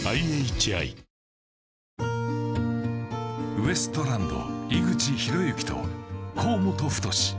ウエストランド・井口浩之と河本太。